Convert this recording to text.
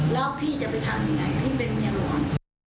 แล้วพี่จะไปทำยังไงพี่เป็นเมียหลวง